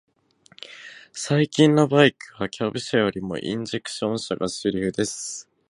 最近のバイクは、キャブ車よりもインジェクション車が主流です。